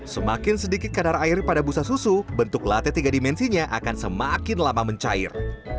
semakin sedikit kadar air pada busa susu bentuk latte tiga dimensinya akan semakin lama mencair